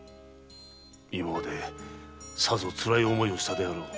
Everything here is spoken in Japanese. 今までさぞつらい思いをしたであろう。